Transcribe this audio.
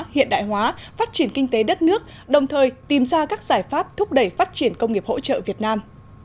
hiện đại hóa phát triển kinh tế đất nước đồng thời tìm ra các giải pháp thúc đẩy phát triển công nghiệp hỗ trợ việt nam